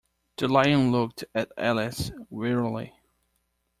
The Lion looked at Alice wearily.